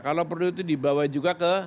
kalau perlu itu dibawa juga ke